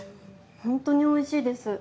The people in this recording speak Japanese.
ほんとにおいしいです。